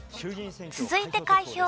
続いて開票。